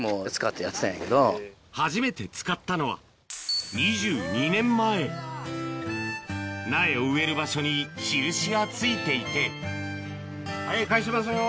初めて使ったのは２２年前苗を植える場所に印が付いていてはい返しますよ。